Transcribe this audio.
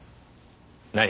何？